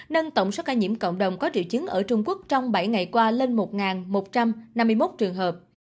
nâng tổng số ca nhiễm cộng đồng có triệu chứng ở trung quốc trong bảy ngày qua lên một một trăm năm mươi một trường hợp